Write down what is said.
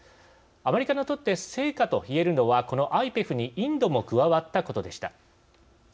アメリカにとって成果といえるのはこのＩＰＥＦにインドも加わったことでした。